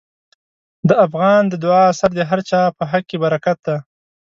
د افغان د دعا اثر د هر چا په حق کې برکت دی.